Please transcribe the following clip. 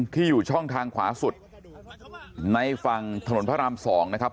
อยู่ช่องทางขวาสุดในฝั่งถนนพระราม๒นะครับ